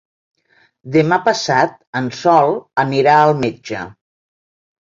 Demà passat en Sol anirà al metge.